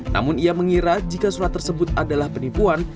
namun ia mengira jika surat tersebut adalah penipuan